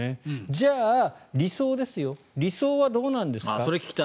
じゃあ、理想ですよ理想はどうなんですか？